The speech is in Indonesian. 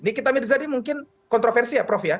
nikita mirzadi mungkin kontroversi ya prof ya